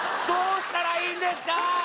どうしたらいいんですかー？